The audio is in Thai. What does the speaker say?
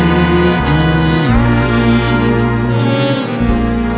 โปรดชุมประทานความเอ็นดู